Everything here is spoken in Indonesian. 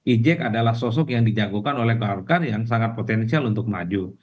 ejek adalah sosok yang dijagokan oleh golkar yang sangat potensial untuk maju